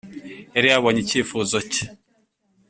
yari yabonye icyifuzo cye,